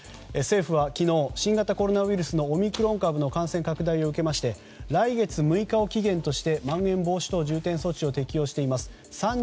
政府は昨日新型コロナウイルスのオミクロン株の感染拡大を受けまして来月６日を期限としてまん延防止等重点措置を適用しています。